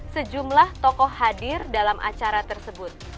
sejumlah tokoh hadir dalam acara tersebut